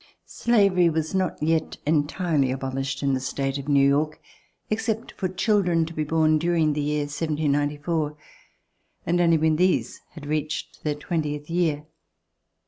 Slavery was not yet entirely abolished in the state of New York, except for children to be born during the year of 1794, and only when these had reached their twentieth year.